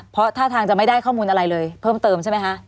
เพราะท่าทางจะไม่ได้ข้อมูลอะไรเลยเพิ่มเติมใช่ไหมคะ